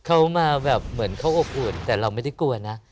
เขามาแบบเหมือนเขาอบอุ่นแต่เราไม่ได้กลัวนะ